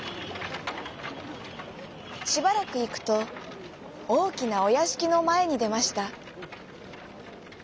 しばらくいくとおおきなおやしきのまえにでました。